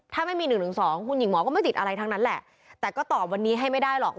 ถ้าไม่มี๑๑๒คุณหญิงหมอก็ไม่ติดอะไรทั้งนั้นแหละแต่ก็ตอบวันนี้ให้ไม่ได้หรอก